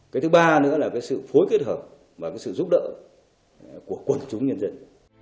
cái thứ ba nữa là cái sự phối kết hợp và cái sự giúp đỡ của quần chúng nhân dân